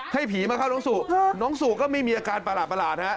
ให้ผีมาเข้าน้องสู่น้องสู่ก็ไม่มีอาการประหลาดฮะ